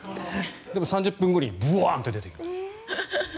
でも、３０分後にブワンと出てきます。